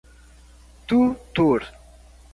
tutor